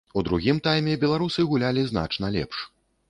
У другім тайме беларусы гулялі значна лепш.